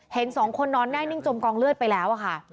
เห็นสองคนนอนแน่นิ่งจมกองเลือดไปแล้วค่ะ